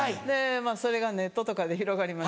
それがネットとかで広がりました。